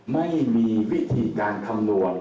ไม่มีวิธีการคำนวณ